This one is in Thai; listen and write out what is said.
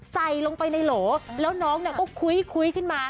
ใส่ลงไปในโหลแล้วน้องก็คุ้ยขึ้นมา